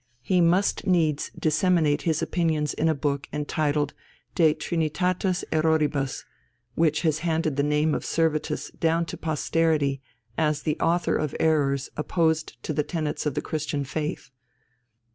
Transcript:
He must needs disseminate his opinions in a book entitled De Trinitatis Erroribus, which has handed the name of Servetus down to posterity as the author of errors opposed to the tenets of the Christian Faith.